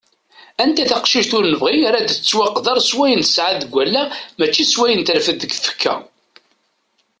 Anta taqcict ur nebɣi ara ad tettwaqader s wayen tesɛa deg wallaɣ mačči s wayen terfed deg tfekka.